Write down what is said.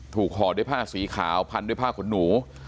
ห่อด้วยผ้าสีขาวพันด้วยผ้าขนหนู